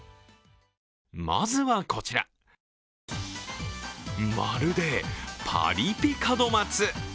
まずはこちら、まるでパリピ門松。